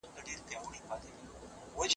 د نومونو تعليم د عقل نښه ده.